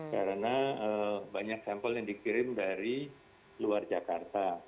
karena banyak sampel yang dikirim dari luar jakarta